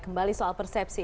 kembali soal persepsi